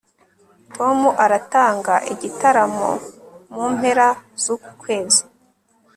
tom aratanga igitaramo mu mpera zuku kwezi